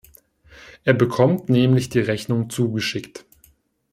Er bekommt nämlich die Rechnung zugeschickt.